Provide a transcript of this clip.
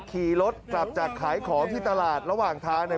ขี่รถกลับจากขายของที่ตลาดระหว่างทางเนี่ย